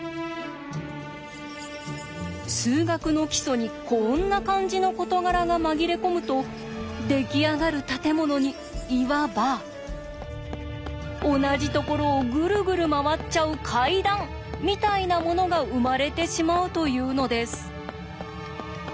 数学の基礎にこんな感じの事柄が紛れ込むと出来上がる建物にいわば同じところをグルグル回っちゃう階段みたいなものが生まれてしまうというのです。